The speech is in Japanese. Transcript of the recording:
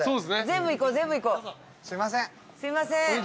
すいません。